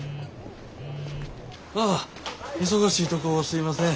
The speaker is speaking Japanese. ああ忙しいとこすいません。